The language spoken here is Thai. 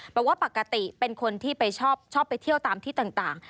บอกว่าปกติเป็นคนที่ไปชอบไปเที่ยวตามที่ต่าง